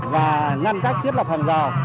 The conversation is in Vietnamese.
và ngăn cách thiết lập hàng rào